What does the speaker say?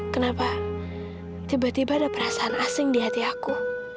kenapa tiba tiba ada perasaan asing di hati aku